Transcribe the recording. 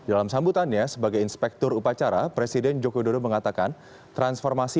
dalam sambutannya sebagai inspektur upacara presiden joko widodo mengatakan transformasi